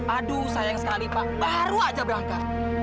aduh sayang sekali pak baru aja berangkat